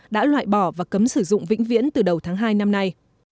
đã loại bỏ và cấm sử dụng vĩnh viễn từ đầu tháng hai năm nay